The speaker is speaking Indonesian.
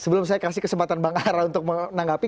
sebelum saya kasih kesempatan bang ara untuk menanggapi